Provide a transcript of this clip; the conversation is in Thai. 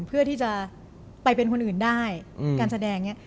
เพื่อที่จะไปเป็นคนอื่นได้การแสดงอย่างนี้